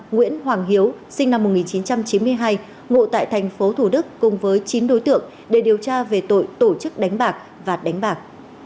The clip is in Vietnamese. nguyễn hoàng hiếu sinh năm một nghìn chín trăm chín mươi hai ngụ tại thành phố thủ đức cùng với chín đối tượng để điều tra về tội tổ chức đánh bạc và đánh bạc